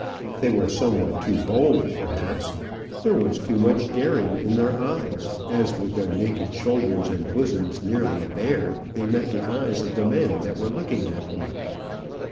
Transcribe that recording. They were somewhat too bold, perhaps; there was too much daring in their eyes, as, with their naked shoulders and bosoms nearly bare, they met the eyes of the men that were looking at them.